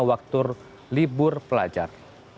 waktu libur pelajar